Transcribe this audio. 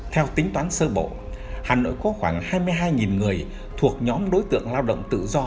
theo tính toán sơ bộ hà nội có khoảng hai mươi hai người thuộc nhóm đối tượng lao động tự do